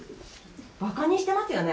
馬鹿にしていますよね？